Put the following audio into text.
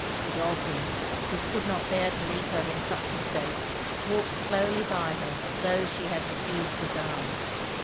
Godolphin, who could not bear to leave her in such a state, walked slowly by her, tho' she had refused his arm.